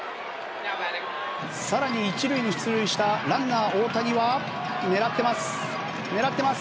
更に１塁に出塁したランナー大谷は狙ってます、狙ってます。